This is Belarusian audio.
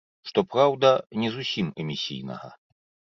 Што праўда, не зусім эмісійнага.